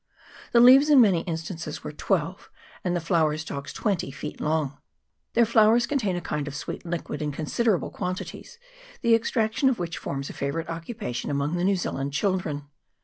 The leaves in many instances were twelve, and the flower stalks twenty, feet long ; their flowers contain a kind of sweet liquid in considerable quantities, the ex traction of which forms a favourite occupation among the New Zealand children.